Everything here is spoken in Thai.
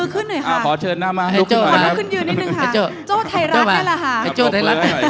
คือคนไหนอาจารย์